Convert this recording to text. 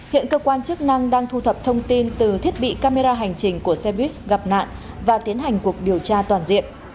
hiện cơ quan chức năng đang thu thập thông tin từ thiết bị camera hành trình của xe buýt gặp nạn và tiến hành cuộc điều tra toàn diện